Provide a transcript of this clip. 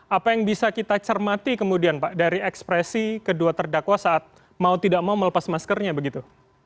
apa yang bisa kita cermati kemudian pak dari ekspresi kedua terdakwa saat mau tidak mau melepas maskernya begitu